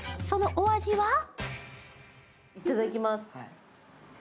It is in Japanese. そのお味は？